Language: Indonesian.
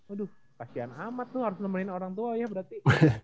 aduh kasihan amat tuh harus nemenin orang tua ya berarti